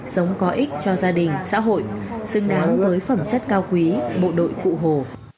sống có ích cho gia đình xã hội xứng đáng với phẩm chất cao quý bộ đội cụ hồ